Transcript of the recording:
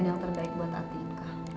yang terbaik buat atika